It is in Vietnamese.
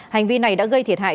hành vi này đã gây thiệt hại